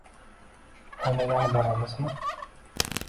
O'ynagani boramizmi?